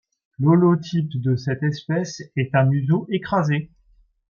L'holotype de cette espèce est un museau écrasé.